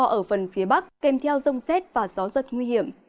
họ ở phần phía bắc kèm theo rông xét và gió rất nguy hiểm